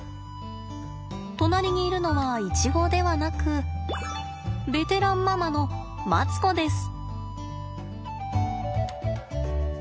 隣にいるのはイチゴではなくベテランママのマツコです。